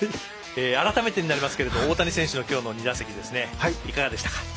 改めてになりますけども大谷選手のきょうの２打席いかがでしたか？